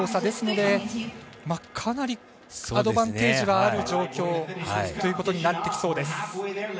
ですので、かなりアドバンテージはある状況ということになってきそうです。